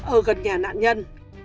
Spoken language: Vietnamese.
ở gần nhà nạn nhân